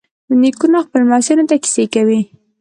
نیکونه خپلو لمسیانو ته کیسې کوي.